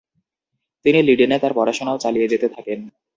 তিনি লিডেনে তার পড়াশোনাও চালিয়ে যেতে থাকেন।